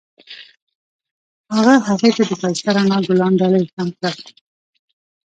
هغه هغې ته د ښایسته رڼا ګلان ډالۍ هم کړل.